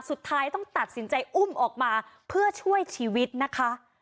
สุดท้ายต้องตัดสินใจอุ้มออกมาเพื่อช่วยชีวิตนะคะ